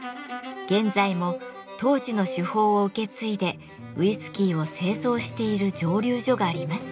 現在も当時の手法を受け継いでウイスキーを製造している蒸留所があります。